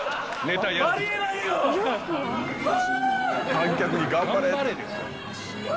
観客に「頑張れ」って。